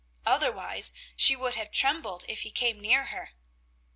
Otherwise she would have trembled if he came near her.